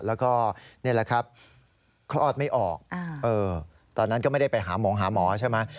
แล้วก็นี่แหละครับคลอดไม่ออกตอนนั้นก็ไม่ได้ไปหาหมอหาหมอใช่ไหม